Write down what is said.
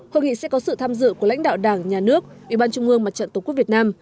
hội nghị sẽ có sự tham dự của lãnh đạo đảng nhà nước ủy ban trung ương mặt trận tổ quốc việt nam